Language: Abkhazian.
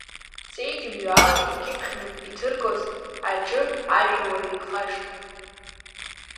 Ҵеиџь мҩала икьыԥхьны иҭыргоз, Аџыр ажәа уаҩы ихашҭуам.